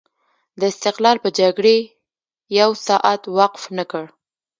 د استقلال په جګړې یو ساعت وقف نه کړ.